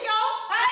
はい！